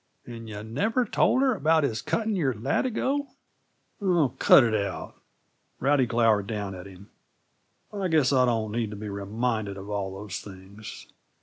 "And yuh never told her about his cutting your latigo " "Oh, cut it out!" Rowdy glowered down at him. "I guess I don't need to be reminded of all those things.